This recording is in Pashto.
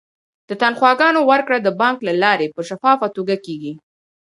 د تنخواګانو ورکړه د بانک له لارې په شفافه توګه کیږي.